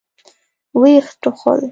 ويې ټوخل.